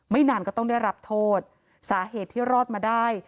นานก็ต้องได้รับโทษสาเหตุที่รอดมาได้